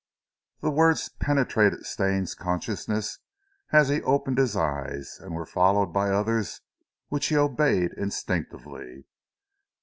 The words penetrated Stane's consciousness as he opened his eyes, and were followed by others which he obeyed instinctively.